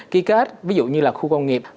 ký kết ví dụ như là khu công nghiệp